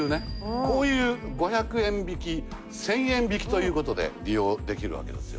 こういう５００円引き１０００円引きという事で利用できるわけですよ。